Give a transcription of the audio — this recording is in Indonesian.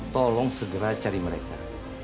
tolong segera cari mereka